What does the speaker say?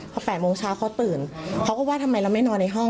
พอ๘โมงเช้าเขาตื่นเขาก็ว่าทำไมเราไม่นอนในห้อง